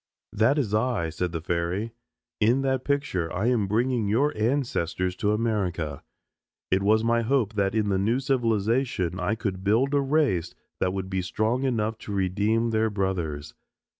"That is I," said the fairy. "In that picture I am bringing your ancestors to America. It was my hope that in the new civilization I could build a race that would be strong enough to redeem their brothers.